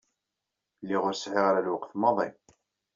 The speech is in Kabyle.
Lliɣ ur sɛiɣ ara lweqt maḍi.